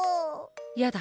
やだ